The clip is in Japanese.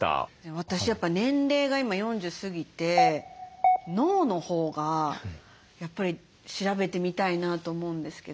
私やっぱ年齢が今４０過ぎて脳のほうがやっぱり調べてみたいなと思うんですけど。